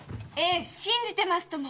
信じてますとも！